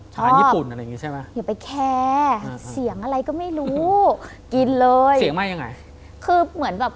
ชอบอย่าไปแคร์เสียงอะไรก็ไม่รู้กินเลยคือเหมือนแบบ